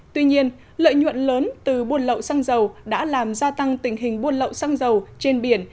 tuy nhiên lợi nhuận lớn từ buôn lậu xăng dầu đã làm gia tăng tình hình buôn lậu xăng dầu trên biển